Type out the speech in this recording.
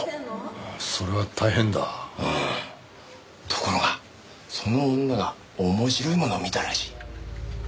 ところがその女が面白いものを見たらしい。